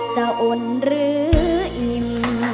จะอ่อนหรืออิ่ม